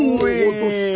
どうした！？